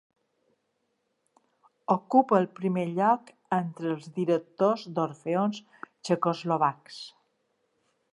Ocupa el primer lloc entre els directors d'orfeons txecoslovacs.